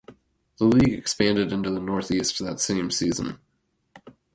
The league expanded into the North East that same season.